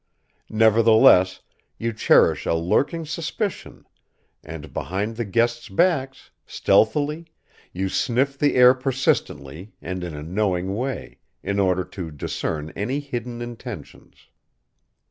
Nevertheless, you cherish a lurking suspicion and, behind the guests' backs, stealthily, you sniff the air persistently and in a knowing way, in order to discern any hidden intentions.